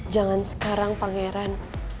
jangan sekarang pak ngeran